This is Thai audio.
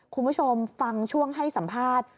คุณผู้ชมฟังช่วงให้สัมภาษณ์